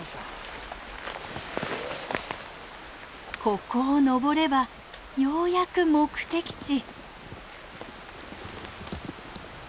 ここを登ればようやく目的地。